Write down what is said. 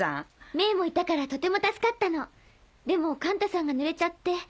メイもいたからとても助かったのでもカンタさんがぬれちゃって。